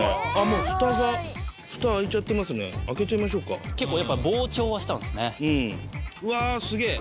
もうふたがふた開いちゃってますね開けちゃいましょうか結構やっぱうんわあすげえ！